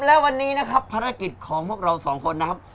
และวันนี้นะครับภารกิจของพวกเราสองคนนะครับ